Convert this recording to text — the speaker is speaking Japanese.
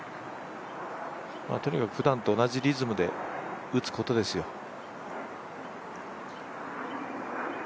とにかくふだんと同じリズムで打つことですよ。